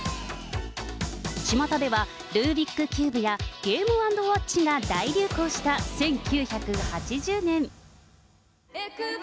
ちまたでは、ルービック・キューブや、ゲーム＆ウオッチが大流行した１９８０年。